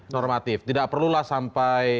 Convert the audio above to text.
normatif tidak perlulah sampai